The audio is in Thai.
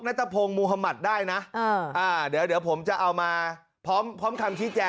แม่ตะพงมุธมัติได้นะเดี๋ยวผมจะเอามาพร้อมคำชี้แจง